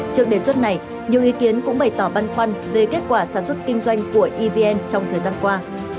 trước đề xuất này nhiều ý kiến cũng bày tỏ băn khoăn về kết quả sản xuất kinh doanh của evn trong thời gian qua